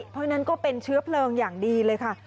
เพราะฉะนั้นก็เป็นเชื้อเพลิงอย่างดีเลยค่ะ